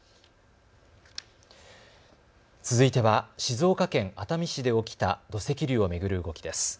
続いては静岡県熱海市で起きた土石流を巡る動きです。